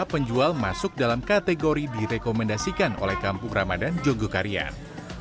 penjual masuk dalam kategori direkomendasikan oleh kampung ramadan jogokarian